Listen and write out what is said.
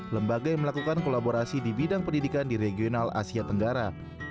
lembaga yang melakukan kolaborasi di bidang pendidikan di regional asia tenggara